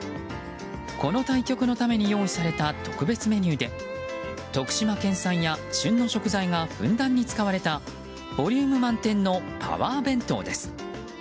この対局のために用意された特別メニューで徳島県産や旬の食材がふんだんに使われたボリューム満点のパワー弁当です。